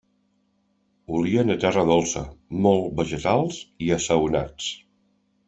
Olien a terra dolça, molt vegetals i assaonats.